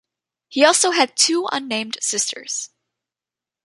He also had two unnamed sisters.